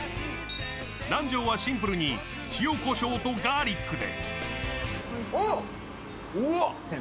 南條はシンプルに塩こしょうとガーリックで。